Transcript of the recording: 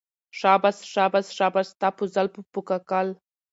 شاباش شاباش شاباش ستا په زلفو په كاكل